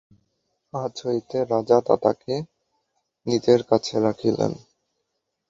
আজ হইতে রাজা তাতাকে নিজের কাছে রাখিলেন।